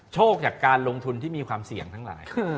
โชคจากการลงทุนที่มีความเสี่ยงทั้งหลาย